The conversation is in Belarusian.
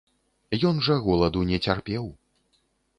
Ён жа голаду не цярпеў.